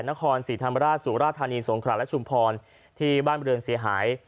นครศรีธรรมราชสุราธานีสงขราและชุมพรที่บ้านบริเวณเสียหาย